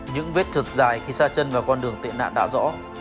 những vết trực dài khi xa chân vào con đường tệ nạn đã rõ